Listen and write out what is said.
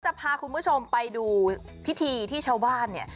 จะพาคุณผู้ชมไปดูพิธีที่ชาวบ้านเนี่ย